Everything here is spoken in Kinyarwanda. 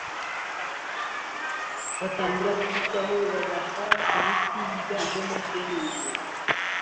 batangira kubitaho babaha imiti yiganjemo serumu